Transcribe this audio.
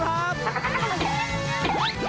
อยากทำด้วยฮ่ะ